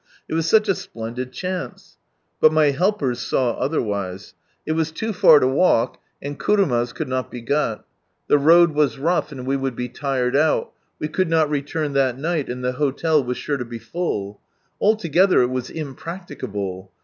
It was such a splendid chance I But my helpers saw otherwise. It was too far to walk, and kurumas could not be got. The road was rough, and we would be tired out : we could not return that night, and the hotel was sure to be full. Altogether it was impracticable.